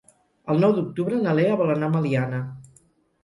El nou d'octubre na Lea vol anar a Meliana.